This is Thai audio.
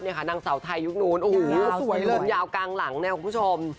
นางเสาไทยยุคนู้นสวยเริ่มยาวกลางหลังนะครับคุณผู้ชม